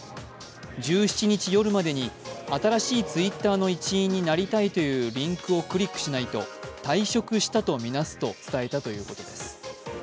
１７日夜までに、新しいＴｗｉｔｔｅｒの一員になりたいというリンクをクリックしないと退職したとみなすと伝えたということです。